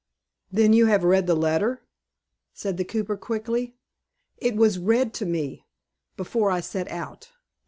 "Then you have read the letter?" said the cooper, quickly. "It was read to me, before I set out."